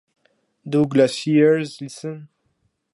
Do Glaciers Listen?